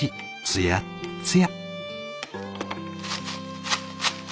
つやっつや！